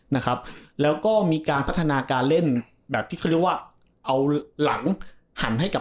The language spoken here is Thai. นะครับแล้วก็มีการพัฒนาการเล่นแบบที่เขาเรียกว่าเอาหลังหันให้กับ